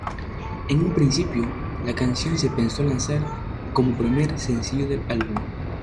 En un principio, la canción se pensó lanzar como primer sencillo del álbum.